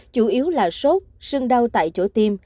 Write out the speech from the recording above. chủ yếu là sốt sương đau tại chỗ tiêm